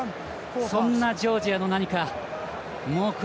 そんなジョージアの何か、猛攻。